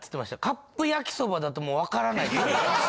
カップ焼きそばだともう分からない。